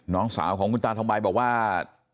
น้องสาวของคุณตาทองใบบอกว่า